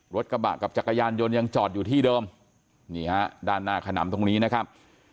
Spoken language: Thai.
รถกระบะกับจักรยานยนต์ยังจอดอยู่ที่เดิมนี่ฮะด้านหน้าขนำตรงนี้นะครับ